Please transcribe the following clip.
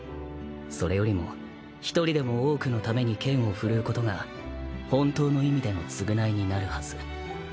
それよりも１人でも多くのために剣を振るうことが本当の意味での償いになるはず。